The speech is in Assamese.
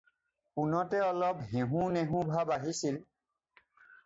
পোনতে অলপ হেহোঁ নেহোঁ ভাব আহিছিল।